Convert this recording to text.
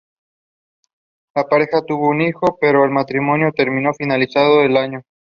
La pareja tuvo un hijo, pero el matrimonio terminó finalizando el año.